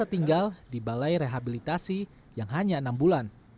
mereka tinggal di balai rehabilitasi yang hanya enam bulan